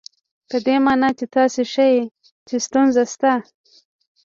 په دې مانا چې تاسې ښيئ چې ستونزه شته.